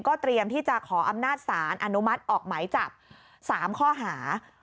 เตรียมที่จะขออำนาจสารอนุมัติออกหมายจับ๓ข้อหา